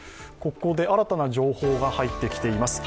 ここであらたな情報が入ってきています。